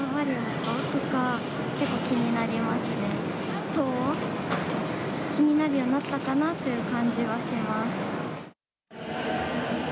騒音、気になるようになったかなという感じはします。